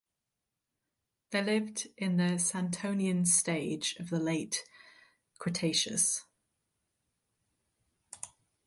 They lived in the Santonian stage of the Late Cretaceous.